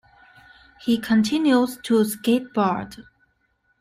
He continues to skateboard.